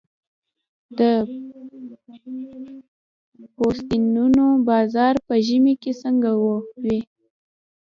د پوستینونو بازار په ژمي کې څنګه وي؟